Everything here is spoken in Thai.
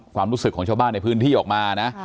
ความรู้สึกของชาวบ้านในพื้นที่ออกมานะ